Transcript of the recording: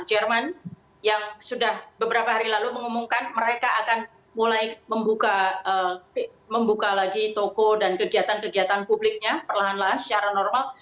jerman yang sudah beberapa hari lalu mengumumkan mereka akan mulai membuka lagi toko dan kegiatan kegiatan publiknya perlahan lahan secara normal